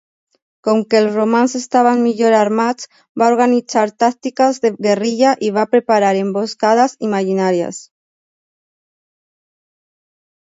Com que els romans estaven millor armats, va organitzar tàctiques de guerrilla i va preparar emboscades imaginaries.